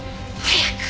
早く！